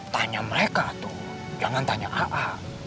tanya mereka tuh jangan tanya aa